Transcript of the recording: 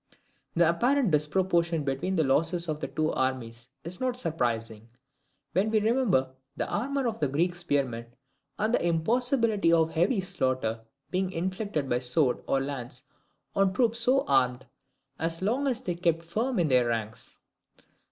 The apparent disproportion between the losses of the two armies is not surprising, when we remember the armour of the Greek spearmen, and the impossibility of heavy slaughter being inflicted by sword or lance on troops so armed, as long as they kept firm in their ranks.